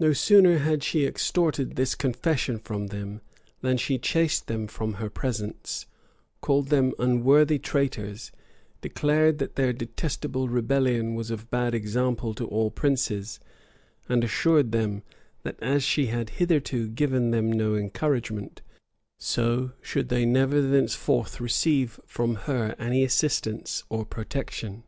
No sooner had she extorted this confession from them, than she chased them from her presence, called them unworthy traitors, declared that their detestable rebellion was of bad example to all princes; and assured them, that as she had hitherto given them no encouragement, so should they never thenceforth receive from her any assistance or protection.